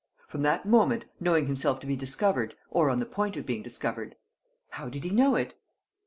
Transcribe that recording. From that moment, knowing himself to be discovered, or on the point of being discovered ..." "How did he know it?"